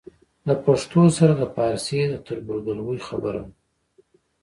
له پښتو سره د پارسي د تربورګلوۍ خبره وه.